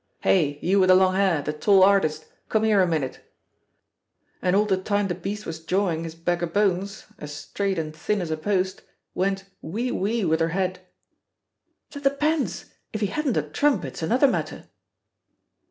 Hey, you with the long hair, the tall artist, come here a minute!' And all the time the beast was jawing, his bag o' bones as straight and thin as a post went 'oui, oui' with her head." "That depends; if he hadn't a trump, it's another matter."